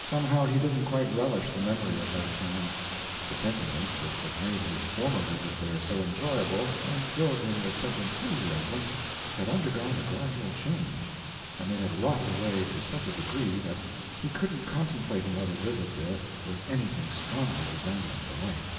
Somehow he didn't quite relish the memory of that time. The sentiments which had made his former visit there so enjoyable, and filled him with such enthusiasm, had undergone a gradual change, and they had rotted away to such a degree that he couldn't contemplate another visit there with anything strongly resembling delight.